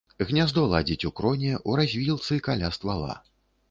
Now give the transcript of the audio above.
Гняздо ладзіць у кроне, у развілцы каля ствала.